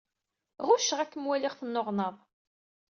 Ɣucceɣ ad kem-waliɣ tenneɣnaḍ.